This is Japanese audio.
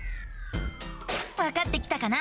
わかってきたかな？